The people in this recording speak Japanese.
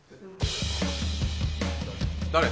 誰？